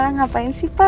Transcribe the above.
ngapain sih pak